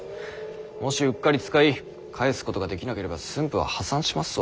もしうっかり使い返すことができなければ駿府は破産しますぞ。